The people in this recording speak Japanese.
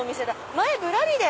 前『ぶらり』で。